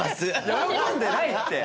喜んでないって。